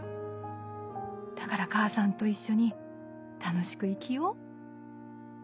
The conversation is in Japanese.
だから母さんと一緒に楽しく生きよう」。